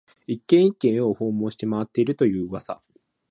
一軒、一軒、家を訪問して回っていると言う噂